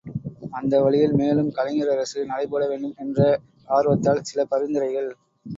அந்த வழியில் மேலும் கலைஞர் அரசு நடைபோடவேண்டும் என்ற ஆர்வத்தால் சில பரிந்துரைகள்!